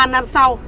ba năm sau